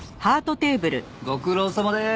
ご苦労さまです！